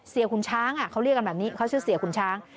ขุนช้างเขาเรียกกันแบบนี้เขาชื่อเสียขุนช้าง